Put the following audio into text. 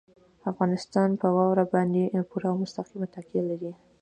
افغانستان په واوره باندې پوره او مستقیمه تکیه لري.